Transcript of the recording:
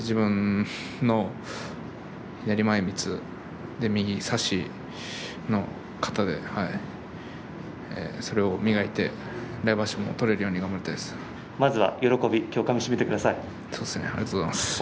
自分の左前みつ右差し型でそれを磨いて来場所取れるように頑張ります。